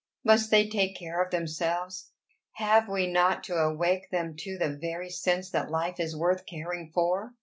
Must they take care of themselves? Have we not to awake them to the very sense that life is worth caring for?